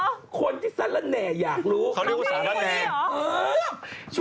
มันใช่เรื่องไหมล่ะแล้วก็คือเอาฉันแบบตรงจุดเกิดเหตุ